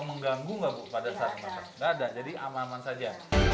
terima kasih sudah menyaksikan kita